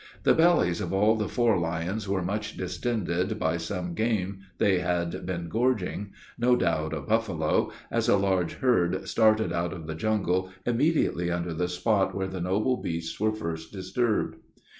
The bellies of all the four lions were much distended by some game they had been gorging, no doubt a buffalo, as a large herd started out of the jungle immediately under the spot where the noble beasts were first disturbed.